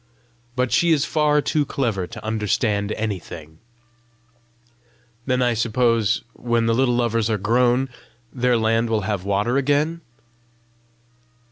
But she is far too clever to understand anything." "Then I suppose, when the little Lovers are grown, their land will have water again?"